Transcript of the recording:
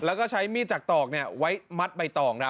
แล้วก็ใช้มีดจักรตอกนี่ไว้มัดใบตองนะ